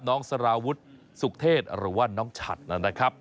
น้องสราวุธสุขเทศหรือว่าน้องฉัตน์นั้นนะครับ